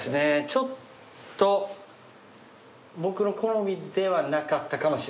ちょっと僕の好みではなかったかもしれません。